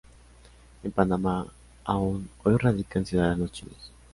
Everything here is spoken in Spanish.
En Panamá aún hoy radican ciudadanos chinos.